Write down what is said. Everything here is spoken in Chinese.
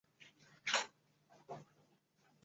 春秋时期活动于今甘肃省临洮县一带。